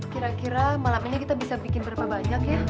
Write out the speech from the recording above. kira kira malam ini kita bisa bikin berapa banyak ya